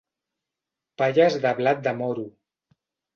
Palles de blat de moro.